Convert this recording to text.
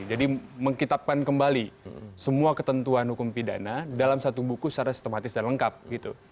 jadi mengkitapkan kembali semua ketentuan hukum pidana dalam satu buku secara sistematis dan lengkap gitu